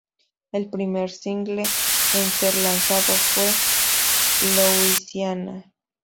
El primer single en ser lanzado fue "Louisiana".